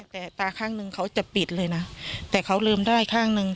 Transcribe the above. แต่ตาข้างนึงเขาจะปิดเลยนะแต่เขาลืมได้ข้างนึง